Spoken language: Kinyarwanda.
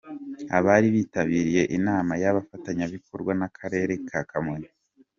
Abari bitabiriye inama y’abafatanyabikorwa n’akarere ka Kamonyi.